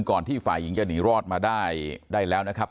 ที่ฝ่ายหญิงจะหนีรอดมาได้แล้วนะครับ